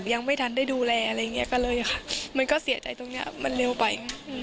ยังไม่ทันได้ดูแลอะไรอย่างนี้ก็เลยมันก็เสียใจตรงนี้มันเร็วไป